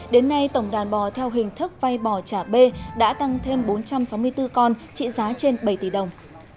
đến nay tổng đàn bò theo hình thức vay bò trả bê đã tăng thêm bốn trăm sáu mươi bốn con trị giá trên bảy tỷ đồng